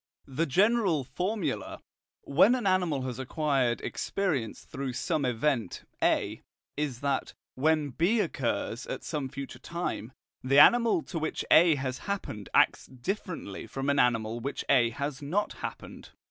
The general formula, when an animal has acquired experience through some event A, is that, when B occurs at some future time, the animal to which A has happened acts differently from an animal which A has not happened.